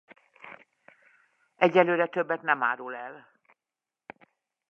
Egyelőre többet nem árul el.